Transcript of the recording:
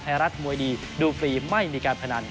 รัฐมวยดีดูฟรีไม่มีการพนัน